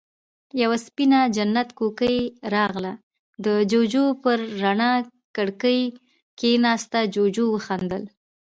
يوه سپينه جنت کوکۍ راغله، د جُوجُو پر رڼه ککری کېناسته، جُوجُو وخندل: